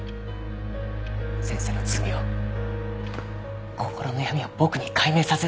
先生の罪を心の闇を僕に解明させないでください。